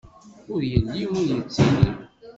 Ur yelli ur yettili!